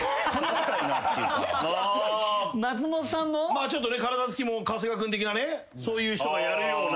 まあちょっと体つきも春日君的なねそういう人がやるような。